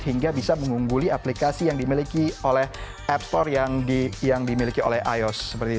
hingga bisa mengungguli aplikasi yang dimiliki oleh app store yang dimiliki oleh ios